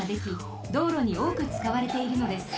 道路におおくつかわれているのです。